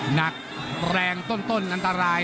หนักแรงต้นอันตราย